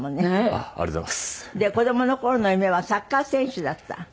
子どもの頃の夢はサッカー選手だった？